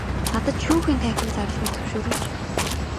Надад шүүхийн танхим зарлахыг зөвшөөрөөч.